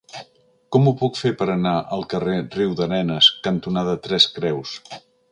Com ho puc fer per anar al carrer Riudarenes cantonada Tres Creus?